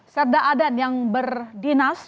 serda adan yang berdinas